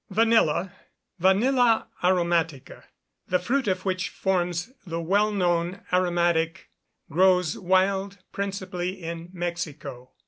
Vanilla (Vanilla aromatica), the fruit of which forms the well known aromatic, grows wild principally in Mexico.